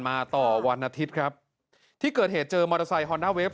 ต่อวันอาทิตย์ครับที่เกิดเหตุเจอมอเตอร์ไซค์ฮอนด้าเวฟ